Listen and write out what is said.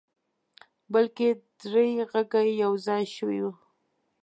بلکې درې غږه يو ځای شوي وو.